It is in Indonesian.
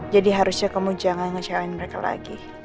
jadi harusnya kamu jangan ngecewain mereka lagi